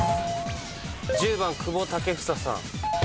１０番久保建英さん。